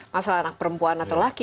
masalah anak perempuan atau laki